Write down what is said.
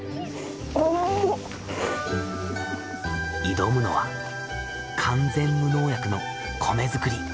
挑むのは完全無農薬の米作り。